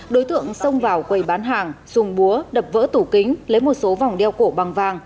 đối tượng xông vào quầy bán hàng dùng búa đập vỡ tủ kính lấy một số vòng đeo cổ bằng vàng